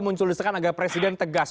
mulai juga muncul desekan agar presiden tegas